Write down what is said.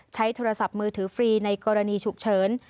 ใช้โทรศัพท์มือถือฟรีในกรณีฉุกเฉิน